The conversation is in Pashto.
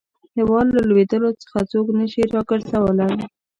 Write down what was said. هیواد له لوېدلو څخه څوک نه شي را ګرځولای.